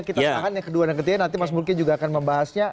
kita tahan yang kedua dan ketiga nanti mas mulki juga akan membahasnya